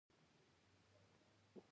زه پوهي ته ارزښت ورکوم.